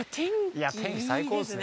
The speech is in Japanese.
いや天気最高ですね